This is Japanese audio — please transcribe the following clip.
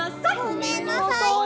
ごめんなさい。